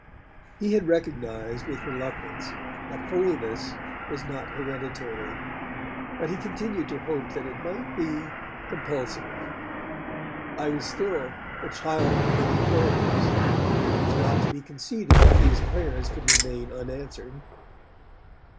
He had recognized, with reluctance, that holiness was not hereditary, but he continued to hope that it might be compulsive. I was still 'the child of many prayers', and it was not to be conceded that these prayers could remain unanswered.